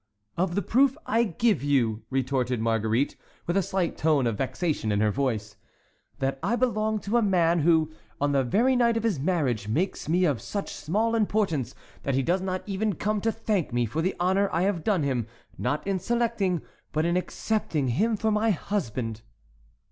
"Of the proof I give you," retorted Marguerite, with a slight tone of vexation in her voice, "that I belong to a man who, on the very night of his marriage, makes me of such small importance that he does not even come to thank me for the honor I have done him, not in selecting, but in accepting him for my husband."